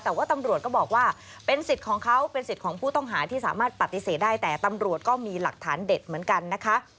แต่ว่าตำรวจก็บอกว่าเป็นสิทธิ์ของเขาเป็นสิทธิ์ของผู้ต้องหาที่สามารถปฏิเสธได้แต่ตำรวจก็มีหลักฐานเด็ดเหมือนกันนะคะ